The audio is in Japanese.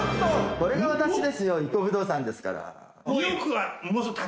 これが私ですよＩＫＫＯ不動産ですから。